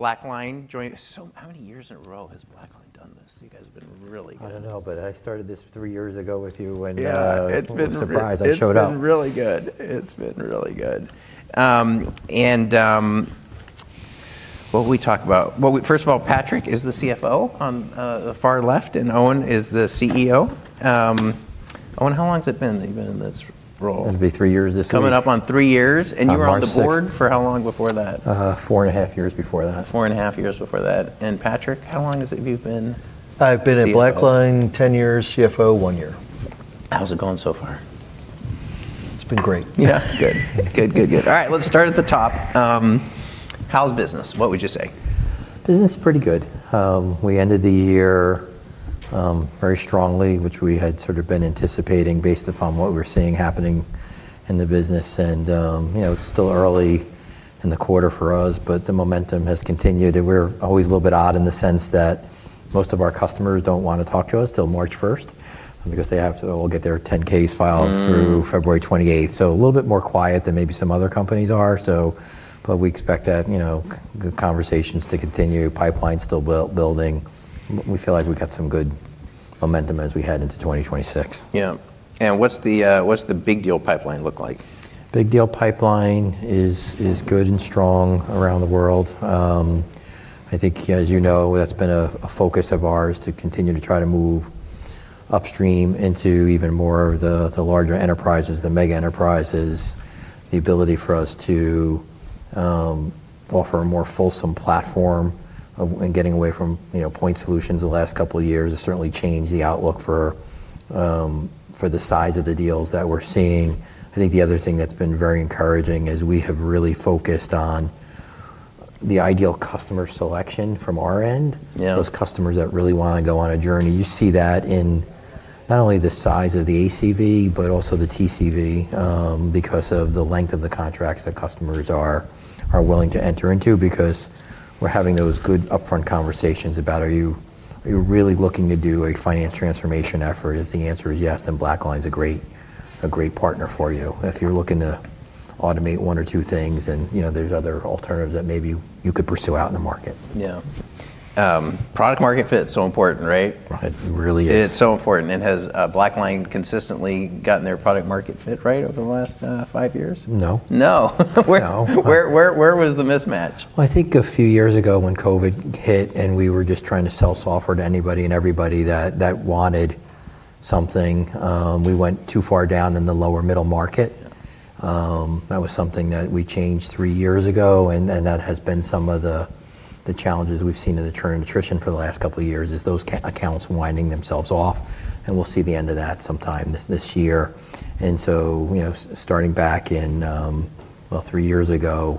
BlackLine joined. How many years in a row has BlackLine done this? You guys have been really good. I don't know, but I started this three years ago with you. Yeah... people were surprised I showed up. It's been really good. It's been really good. What will we talk about? Well, first of all, Patrick is the CFO on the far left, and Owen is the CEO. Owen, how long has it been that you've been in this role? It'll be three years this week. Coming up on three years. On March 6th. You were on the board for how long before that? Four and a half years before that. Four and a half years before that. Patrick, how long is it you've been CFO? I've been at BlackLine 10 years, CFO one year. How's it going so far? It's been great. Yeah. Good. Good, good. All right. Let's start at the top. How's business? What would you say? Business is pretty good. We ended the year very strongly, which we had sort of been anticipating based upon what we're seeing happening in the business. You know, it's still early in the quarter for us, but the momentum has continued. We're always a little bit odd in the sense that most of our customers don't wanna talk to us till March 1st because they have to all get their 10-Ks filed. Mm... through February 28th. A little bit more quiet than maybe some other companies are. We expect that, you know, the conversations to continue. Pipeline's still building. We feel like we've got some good momentum as we head into 2026. Yeah. What's the big deal pipeline look like? Big deal pipeline is good and strong around the world. I think, as you know, that's been a focus of ours to continue to try to move upstream into even more of the larger enterprises, the mega enterprises. The ability for us to offer a more fulsome platform of, and getting away from, you know, point solutions the last couple of years has certainly changed the outlook for the size of the deals that we're seeing. I think the other thing that's been very encouraging is we have really focused on the ideal customer selection from our end. Yeah. Those customers that really wanna go on a journey. You see that in not only the size of the ACV, but also the TCV, because of the length of the contracts that customers are willing to enter into because we're having those good upfront conversations about are you really looking to do a finance transformation effort? If the answer is yes, BlackLine's a great partner for you. If you're looking to automate one or two things, you know, there's other alternatives that maybe you could pursue out in the market. Yeah. product market fit's so important, right? Right. It really is. It's so important. Has BlackLine consistently gotten their product market fit right over the last, five years? No. No. No. Where was the mismatch? I think a few years ago when COVID hit, and we were just trying to sell software to anybody and everybody that wanted something, we went too far down in the lower middle market. That was something that we changed three years ago, and then that has been some of the challenges we've seen in the churn and attrition for the last couple of years, is those accounts winding themselves off, and we'll see the end of that sometime this year. you know, starting back in, well, three years ago,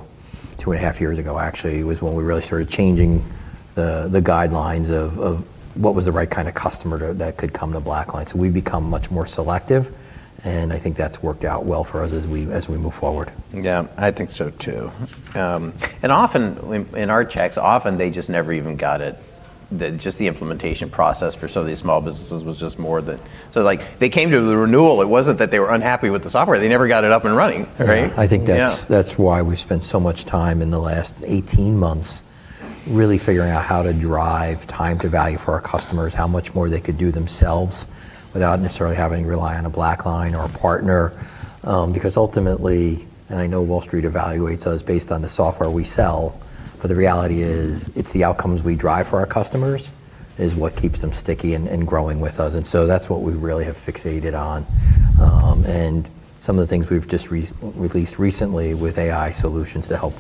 two and a half years ago, actually, was when we really started changing the guidelines of what was the right kinda customer that could come to BlackLine. We've become much more selective, and I think that's worked out well for us as we, as we move forward. Yeah. I think so too. Often in our checks, often they just never even got it. Just the implementation process for some of these small businesses was just more the... like, they came to the renewal. It wasn't that they were unhappy with the software. They never got it up and running, right? Yeah. Yeah. I think that's why we spent so much time in the last 18 months really figuring out how to drive time to value for our customers, how much more they could do themselves without necessarily having to rely on a BlackLine or a partner. Because ultimately, and I know Wall Street evaluates us based on the software we sell, but the reality is, it's the outcomes we drive for our customers is what keeps them sticky and growing with us. That's what we really have fixated on. And some of the things we've just released recently with AI solutions to help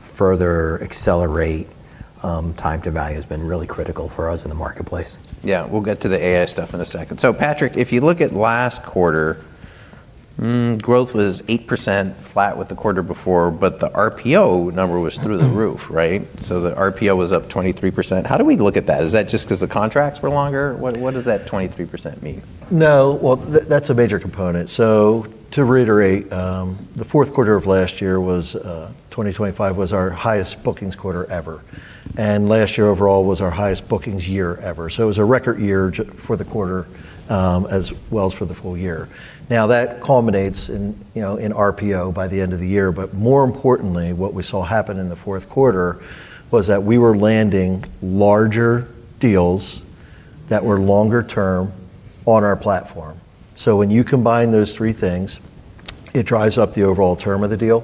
further accelerate time to value has been really critical for us in the marketplace. Yeah. We'll get to the AI stuff in a second. Patrick, if you look at last quarter, growth was 8% flat with the quarter before, but the RPO number was through the roof, right? The RPO was up 23%. How do we look at that? Is that just 'cause the contracts were longer? What does that 23% mean? No. Well, that's a major component. To reiterate, the fourth quarter of last year was 2025, was our highest bookings quarter ever. Last year overall was our highest bookings year ever. It was a record year for the quarter, as well as for the full year. Now, that culminates in, you know, in RPO by the end of the year. More importantly, what we saw happen in the fourth quarter was that we were landing larger deals that were longer term on our platform. When you combine those three things, it drives up the overall term of the deal,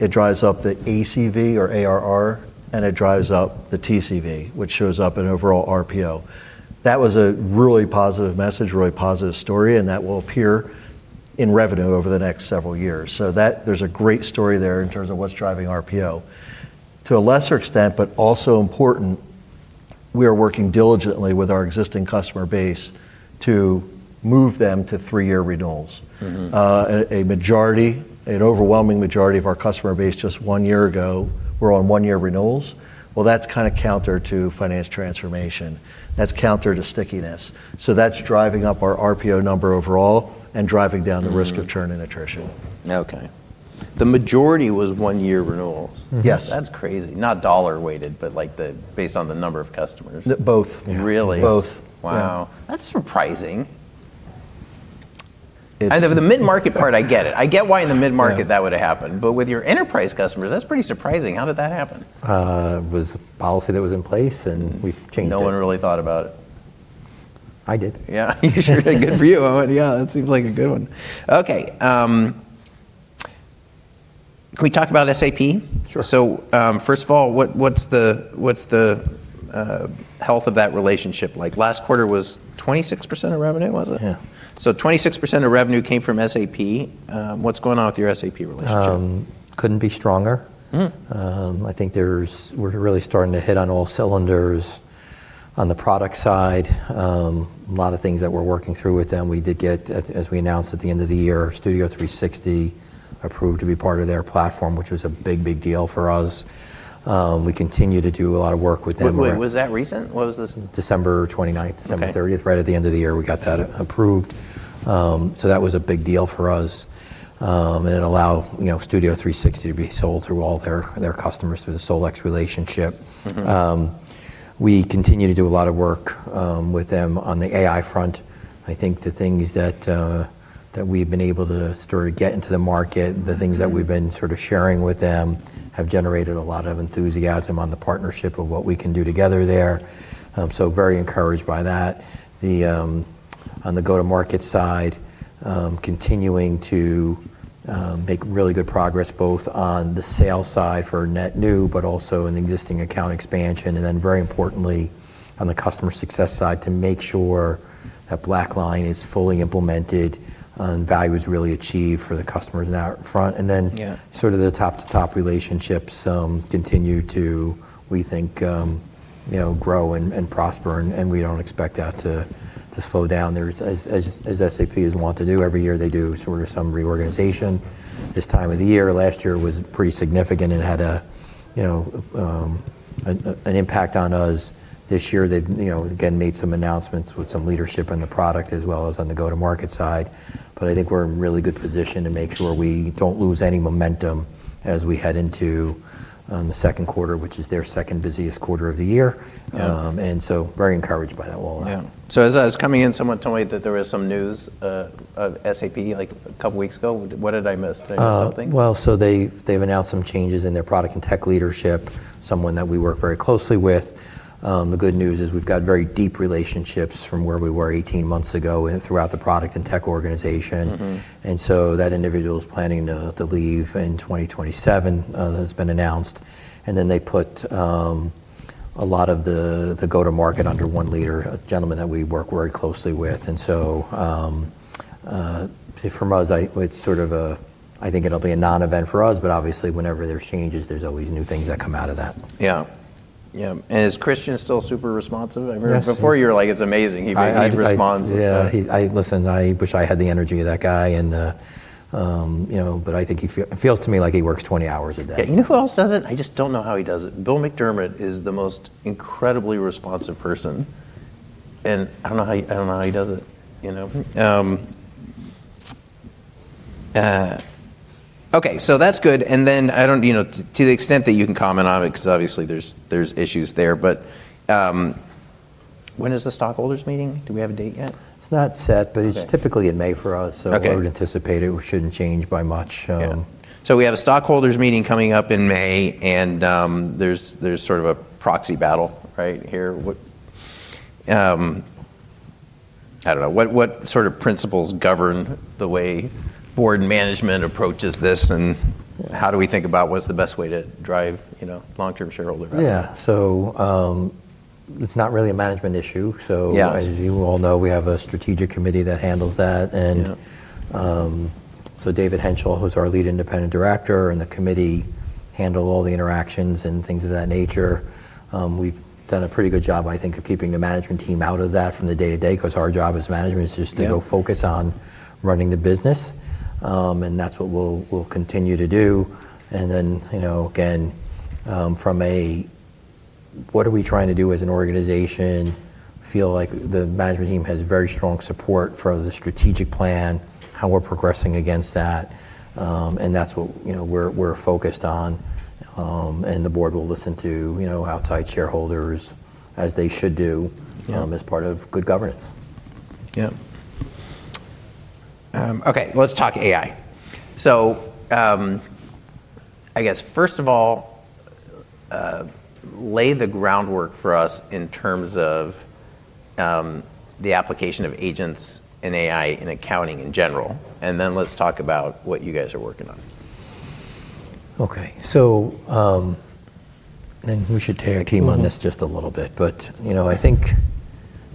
it drives up the ACV or ARR, and it drives up the TCV, which shows up in overall RPO. That was a really positive message, really positive story, and that will appear in revenue over the next several years. There's a great story there in terms of what's driving RPO. To a lesser extent, but also important, we are working diligently with our existing customer base to move them to three-year renewals. Mm-hmm. A majority, an overwhelming majority of our customer base just one year ago were on one-year renewals. That's kinda counter to finance transformation. That's counter to stickiness. That's driving up our RPO number overall and driving down- Mm... the risk of churn and attrition. The majority was one-year renewals? Mm-hmm. Yes. That's crazy. Not dollar-weighted, but like the, based on the number of customers. Both. Really? Both. Wow. Yeah. That's surprising. Then with the mid-market part, I get it. I get why in the mid-market that would happen. Yeah. With your enterprise customers, that's pretty surprising. How did that happen? Was policy that was in place, and we've changed it. No one really thought about it. I did. Yeah. Good for you. Yeah, that seems like a good one. Okay. Can we talk about SAP? Sure. First of all, what's the health of that relationship like? Last quarter was 26% of revenue, was it? Yeah. 26% of revenue came from SAP. What's going on with your SAP relationship? Couldn't be stronger. Mm. I think we're really starting to hit on all cylinders on the product side. A lot of things that we're working through with them. We did get, as we announced at the end of the year, Studio 360 approved to be part of their platform, which was a big deal for us. We continue to do a lot of work with them where When was that recent? When was this? December 29th. Okay. December 30th. Right at the end of the year, we got that approved. So that was a big deal for us. And it allowed, you know, Studio 360 to be sold through all their customers through the SolEx relationship. Mm-hmm. We continue to do a lot of work with them on the AI front. I think the things that we've been able to start to get into the market. Mm-hmm... the things that we've been sort of sharing with them have generated a lot of enthusiasm on the partnership of what we can do together there. Very encouraged by that. On the go-to-market side, continuing to make really good progress, both on the sales side for net new, but also in the existing account expansion, and then very importantly, on the customer success side, to make sure that BlackLine is fully implemented and value is really achieved for the customers in that front. Yeah. Sort of the top to top relationships, continue to, we think, you know, grow and prosper and we don't expect that to slow down. As SAP is want to do every year, they do sort of some reorganization this time of the year. Last year was pretty significant and had a, you know, an impact on us. This year, they've, you know, again, made some announcements with some leadership on the product as well as on the go-to-market side. I think we're in a really good position to make sure we don't lose any momentum as we head into the second quarter, which is their second busiest quarter of the year. Oh. Very encouraged by that rollout. Yeah. As I was coming in, someone told me that there was some news of SAP, like a couple weeks ago. What did I miss? Did I miss something? Well, they've announced some changes in their product and tech leadership, someone that we work very closely with. The good news is we've got very deep relationships from where we were 18 months ago and throughout the product and tech organization. Mm-hmm. That individual is planning to leave in 2027. That has been announced. Then they put a lot of the go-to-market under one leader, a gentleman that we work very closely with. From us, I think it'll be a non-event for us, but obviously whenever there's changes, there's always new things that come out of that. Yeah. Yeah. Is Christian still super responsive? I remember. Yes.... before you were like, "It's amazing. He responds with a... Yeah. I... Listen, I wish I had the energy of that guy and, you know, but I think it feels to me like he works 20 hours a day. You know who else does it? I just don't know how he does it. Bill McDermott is the most incredibly responsive person, and I don't know how he does it, you know? Okay. That's good. You know, to the extent that you can comment on it 'cause obviously there's issues there. When is the stockholders meeting? Do we have a date yet? It's not set- Okay... but it's typically in May for us. Okay. We would anticipate it shouldn't change by much. Yeah. We have a stockholders meeting coming up in May, and, there's sort of a proxy battle right here. I don't know. What sort of principles govern the way board management approaches this, and how do we think about what is the best way to drive, you know, long-term shareholder value? Yeah. It's not really a management issue. Yeah... as you all know, we have a strategic committee that handles that. Yeah. David Henshall, who's our lead independent director, and the committee handle all the interactions and things of that nature. We've done a pretty good job, I think, of keeping the management team out of that from the day-to-day 'cause our job as management is just to. Yeah... go focus on running the business. That's what we'll continue to do. You know, again, from a what are we trying to do as an organization, feel like the management team has very strong support for the strategic plan, how we're progressing against that. That's what, you know, we're focused on. The board will listen to, you know, outside shareholders as they should do. Yeah... as part of good governance. Yeah. Okay. Let's talk AI. So, I guess, first of all, lay the groundwork for us in terms of the application of agents in AI in accounting in general, and then let's talk about what you guys are working on. Okay. we should take our team. Mm-hmm... on this just a little bit. You know, I think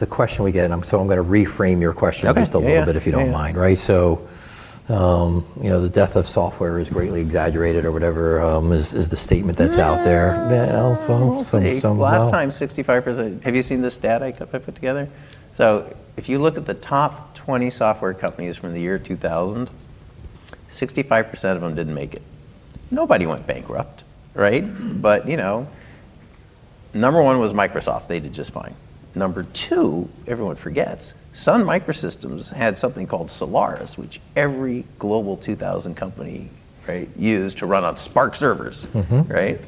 the question we get, and I'm gonna reframe your question just a little bit. Okay. Yeah, yeah... if you don't mind. Right? You know, the death of software is greatly exaggerated or whatever, is the statement that's out there. Eh. You know, well, some. We'll see. Last time, 65%... Have you seen this data I put together? If you look at the top 20 software companies from the year 2000, 65% of them didn't make it. Nobody went bankrupt, right? You know, number one was Microsoft. They did just fine. Number two, everyone forgets. Sun Microsystems had something called Solaris, which every Global 2000 company, right, used to run on SPARC servers. Mm-hmm. Right?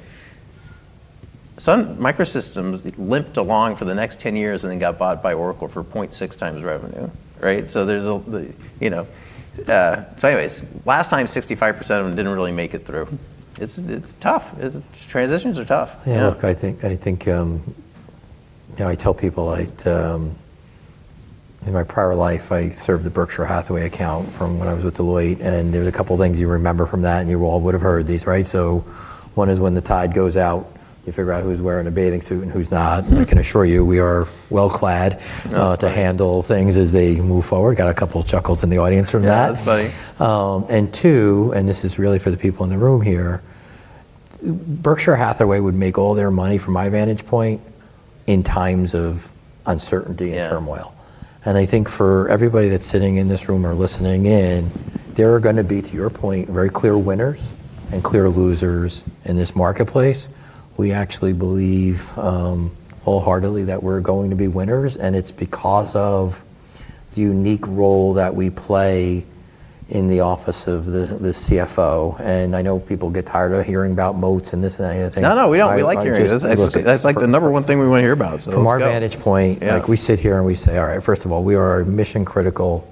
Sun Microsystems limped along for the next 10 years and then got bought by Oracle for 0.6x revenue, right? There's, you know, Anyways, last time 65% of them didn't really make it through. It's tough. Transitions are tough. Yeah. Look, I think, you know, I tell people I, in my prior life, I served the Berkshire Hathaway account from when I was with Deloitte, and there's a couple things you remember from that, and you all would have heard these, right? One is when the tide goes out, you figure out who's wearing a bathing suit and who's not. Mm-hmm. I can assure you, we are well-clad- That's funny. ...to handle things as they move forward. Got a couple chuckles in the audience from that. Yeah, that's funny. Two, and this is really for the people in the room here, Berkshire Hathaway would make all their money from my vantage point in times of uncertainty. Yeah ...and turmoil. I think for everybody that's sitting in this room or listening in, there are gonna be, to your point, very clear winners and clear losers in this marketplace. We actually believe, wholeheartedly that we're going to be winners, and it's because of the unique role that we play in the office of the CFO. I know people get tired of hearing about moats and this and that. I think. No, no, we don't. We like hearing it I just look at. That's like the number one thing we wanna hear about. Let's go. From our vantage point. Yeah ...like we sit here and we say, all right, first of all, we are a mission-critical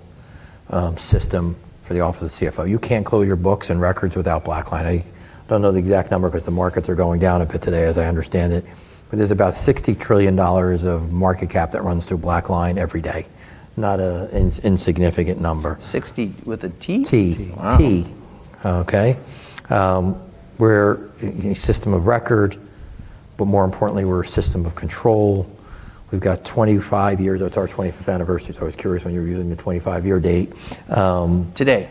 system for the office of the CFO. You can't close your books and records without BlackLine. I don't know the exact number because the markets are going down a bit today, as I understand it. There's about $60 trillion of market cap that runs through BlackLine every day. Not a insignificant number. 60 with a T? T. Wow. Okay? We're a system of record. More importantly, we're a system of control. We've got 25 years. It's our 25th anniversary. I was curious when you were using the 25-year date. Today.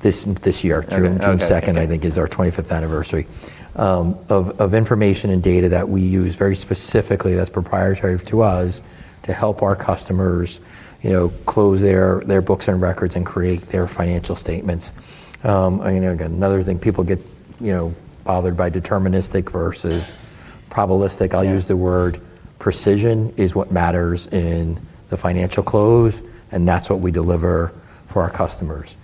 This year. Okay. Okay. June 2nd, I think is our 25th anniversary. Of information and data that we use very specifically that's proprietary to us to help our customers, you know, close their books and records and create their financial statements. You know, again, another thing people get, you know, bothered by deterministic versus probabilistic. Yeah. I'll use the word precision is what matters in the financial close, and that's what we deliver for our customers.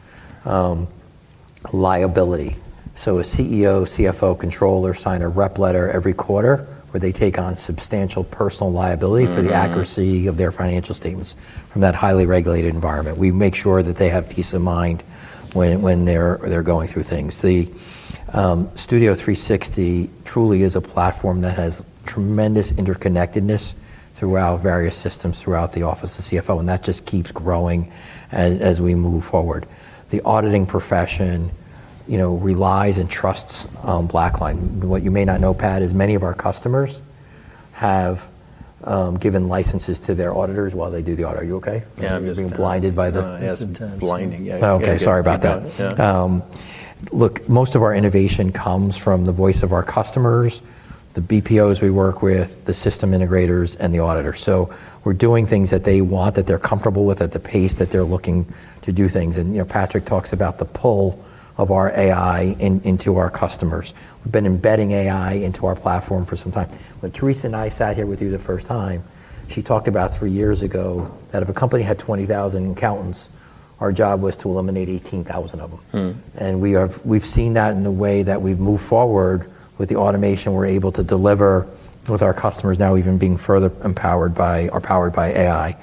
liability. A CEO, CFO, controller sign a representation letter every quarter where they take on substantial personal liability- Mm-hmm ...for the accuracy of their financial statements from that highly regulated environment. We make sure that they have peace of mind when they're going through things. The Studio 360 truly is a platform that has tremendous interconnectedness throughout various systems throughout the office of CFO, and that just keeps growing as we move forward. The auditing profession, you know, relies and trusts BlackLine. What you may not know, Pat, is many of our customers have given licenses to their auditors while they do the audit. Are you okay? Yeah, I'm just. Being blinded by. Yeah, it's intense. blinding. Yeah. Okay, good. Sorry about that. Yeah. Yeah. Look, most of our innovation comes from the voice of our customers, the BPOs we work with, the system integrators, and the auditors. We're doing things that they want, that they're comfortable with, at the pace that they're looking to do things. You know, Patrick talks about the pull of our AI into our customers. We've been embedding AI into our platform for some time. When Theresa and I sat here with you the first time, she talked about three years ago that if a company had 20,000 accountants, our job was to eliminate 18,000 of them. Mm. We've seen that in the way that we've moved forward with the automation we're able to deliver with our customers now even being further empowered by or powered by AI.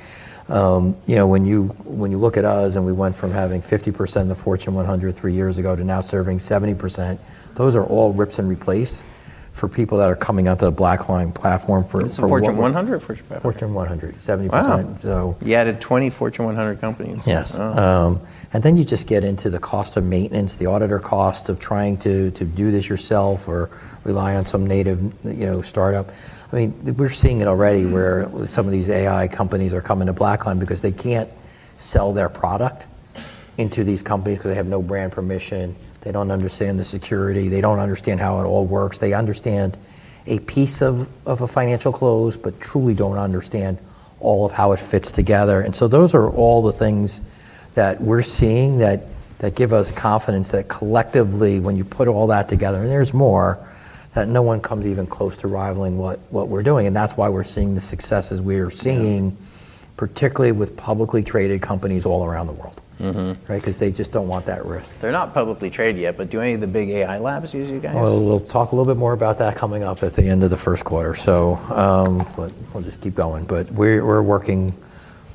You know, when you look at us and we went from having 50% of the Fortune 100 three years ago to now serving 70%, those are all rips and replace for people that are coming out to the BlackLine platform for. It's the Fortune 100 or Fortune 500? Fortune 100. 70%. Wow. So. You added 20 Fortune 100 companies. Yes. Wow. You just get into the cost of maintenance, the auditor cost of trying to do this yourself or rely on some native, you know, startup. We're seeing it already where some of these AI companies are coming to BlackLine because they can't sell their product into these companies because they have no brand permission. They don't understand the security. They don't understand how it all works. They understand a piece of a financial close, but truly don't understand all of how it fits together. Those are all the things that we're seeing that give us confidence that collectively, when you put all that together, and there's more, that no one comes even close to rivaling what we're doing. That's why we're seeing the successes we're seeing. Yeah Particularly with publicly traded companies all around the world. Mm-hmm. Right? 'Cause they just don't want that risk. They're not publicly traded yet, but do any of the big AI labs use you guys? We'll talk a little bit more about that coming up at the end of the first quarter. We'll just keep going. We're working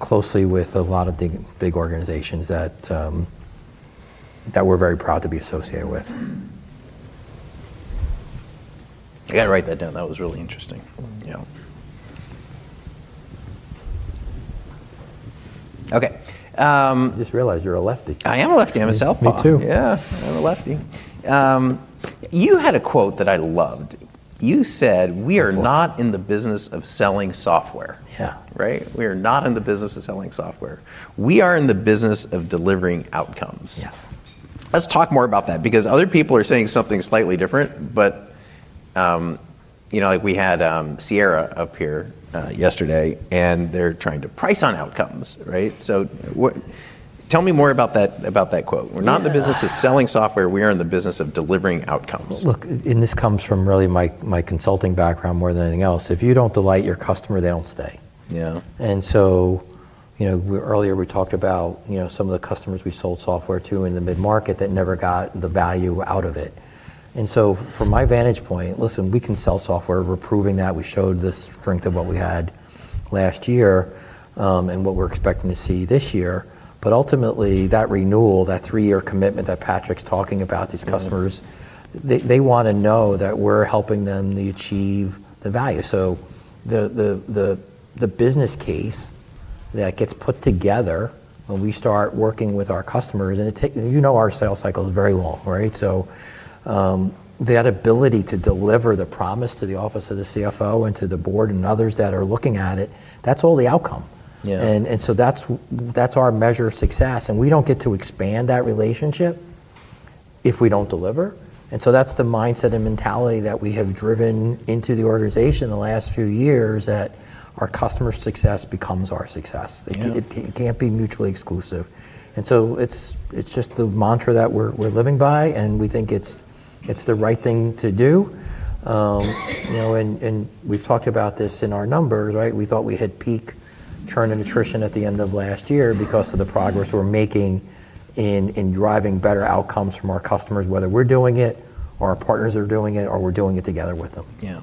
closely with a lot of the big organizations that we're very proud to be associated with. I gotta write that down. That was really interesting. Yeah. Okay. Just realized you're a lefty. I am a lefty. I'm a southpaw. Me too. Yeah. I'm a lefty. You had a quote that I loved. You said, "We are not in the business of selling software. Yeah. Right? "We are not in the business of selling software. We are in the business of delivering outcomes. Yes. Let's talk more about that because other people are saying something slightly different. You know, like we had Sierra up here yesterday, and they're trying to price on outcomes, right? Tell me more about that, about that quote? Yeah. We're not in the business of selling software. We are in the business of delivering outcomes. Look, this comes from really my consulting background more than anything else. If you don't delight your customer, they don't stay. Yeah. You know, earlier we talked about, you know, some of the customers we sold software to in the mid-market that never got the value out of it. From my vantage point, listen, we can sell software. We're proving that. We showed the strength of what we had last year, and what we're expecting to see this year. Ultimately, that renewal, that three-year commitment that Patrick's talking about, these customers. Mm-hmm. They wanna know that we're helping them achieve the value. The business case that gets put together when we start working with our customers, and You know our sales cycle is very long, right? That ability to deliver the promise to the office of the CFO and to the board and others that are looking at it, that's all the outcome. Yeah. That's our measure of success, and we don't get to expand that relationship if we don't deliver. That's the mindset and mentality that we have driven into the organization the last few years that our customer success becomes our success. Yeah. It can't be mutually exclusive. It's just the mantra that we're living by, and we think it's the right thing to do. You know, we've talked about this in our numbers, right? We thought we hit peak churn and attrition at the end of last year because of the progress we're making in driving better outcomes from our customers, whether we're doing it or our partners are doing it, or we're doing it together with them. Yeah.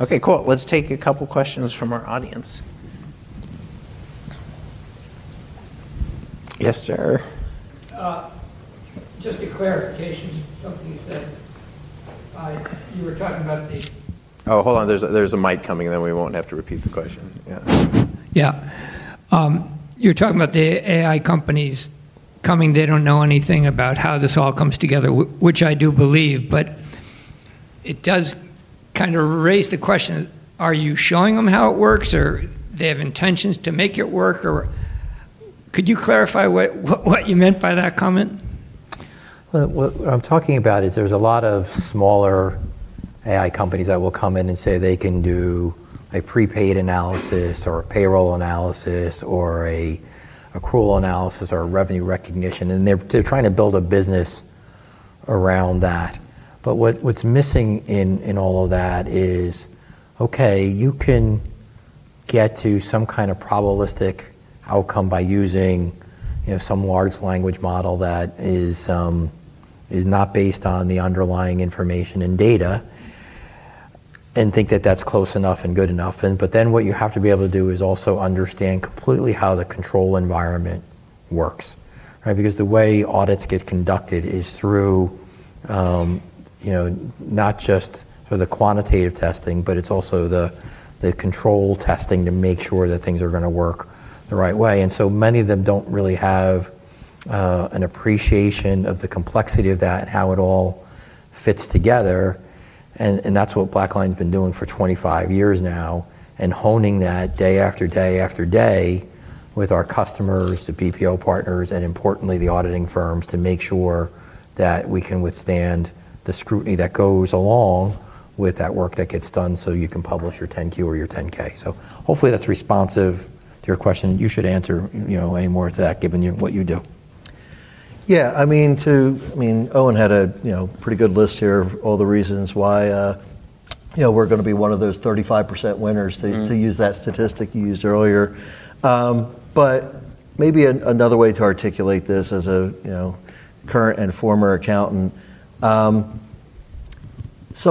Okay, cool. Let's take a couple questions from our audience. Yes, sir. Just a clarification of something you said. You were talking about. Oh, hold on. There's a mic coming. We won't have to repeat the question. Yeah. Yeah. You were talking about the AI companies coming. They don't know anything about how this all comes together, which I do believe, it does kinda raise the question, are you showing them how it works, or they have intentions to make it work? Could you clarify what you meant by that comment? Well, what I'm talking about is there's a lot of smaller AI companies that will come in and say they can do a prepaid analysis or a payroll analysis or an accrual analysis or a revenue recognition, and they're trying to build a business around that. What's missing in all of that is, okay, you can get to some kind of probabilistic outcome by using, you know, some large language model that is not based on the underlying information and data and think that that's close enough and good enough, then what you have to be able to do is also understand completely how the control environment works, right? The way audits get conducted is through, you know, not just for the quantitative testing, but it's also the control testing to make sure that things are gonna work the right way. Many of them don't really have an appreciation of the complexity of that and how it all fits together, and that's what BlackLine's been doing for 25 years now and honing that day after day after day with our customers, the BPO partners, and importantly, the auditing firms to make sure that we can withstand the scrutiny that goes along with that work that gets done so you can publish your 10-Q or your 10-K. Hopefully that's responsive to your question. You should answer, you know, any more to that given you, what you do. Yeah. I mean, Owen had a, you know, pretty good list here of all the reasons why, you know, we're gonna be one of those 35% winners- Mm. -to, to use that statistic you used earlier. But maybe another way to articulate this as a, you know, current and former accountant, some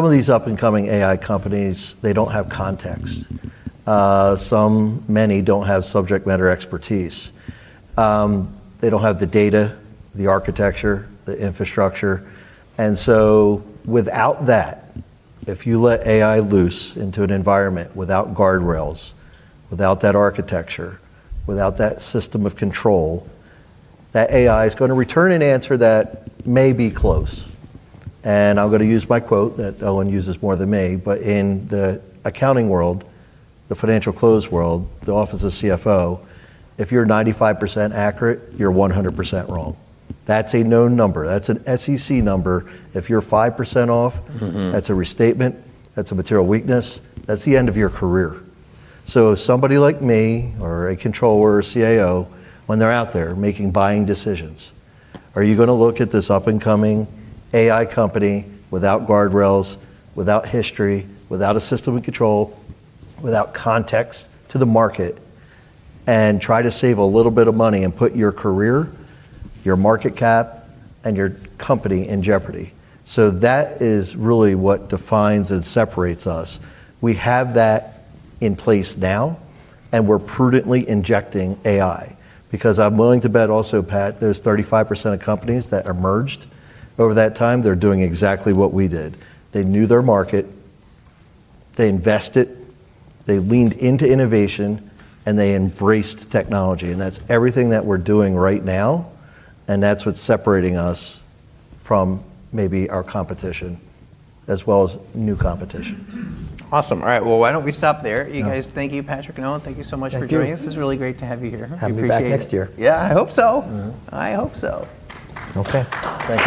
of these up-and-coming AI companies, they don't have context. Many don't have subject matter expertise. They don't have the data, the architecture, the infrastructure, and so without that, if you let AI loose into an environment without guardrails, without that architecture, without that system of control, that AI is gonna return an answer that may be close. I'm gonna use my quote that Owen uses more than me, but in the accounting world, the financial close world, the office of CFO, if you're 95% accurate, you're 100% wrong. That's a known number. That's an SEC number. If you're 5% off. Mm-mm. That's a restatement, that's a material weakness, that's the end of your career. Somebody like me or a controller or a CAO, when they're out there making buying decisions, are you gonna look at this up-and-coming AI company without guardrails, without history, without a system of control, without context to the market and try to save a little bit of money and put your career, your market cap, and your company in jeopardy? That is really what defines and separates us. We have that in place now, and we're prudently injecting AI because I'm willing to bet also, Pat, there's 35% of companies that emerged over that time, they're doing exactly what we did. They knew their market, they invested, they leaned into innovation, and they embraced technology. That's everything that we're doing right now, and that's what's separating us from maybe our competition as well as new competition. Awesome. All right. Well, why don't we stop there? Yeah. You guys, thank you, Patrick and Owen. Thank you so much for joining us. Thank you. This was really great to have you here. We appreciate it. Have me back next year. Yeah, I hope so. Mm-hmm. I hope so. Okay. Thank you.